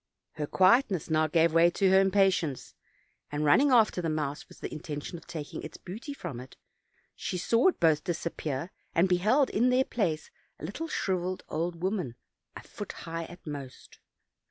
Her quietness now gave way to her impatience, and running after the mouse with the intention of taking its booty from it, she saw both disappear, and beheld in their place a little shriveled old woman a foot high at most.